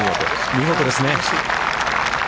見事ですね。